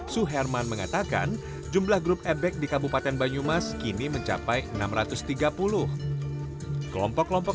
suherman mengatakan jumlah grup ebek di kabupaten banyumas kini mencapai enam ratus tiga puluh kelompok kelompok